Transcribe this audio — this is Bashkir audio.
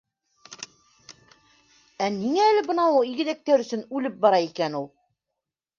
Ә ниңә әле бынауы игеҙәктәр өсөн үлеп бара икән ул?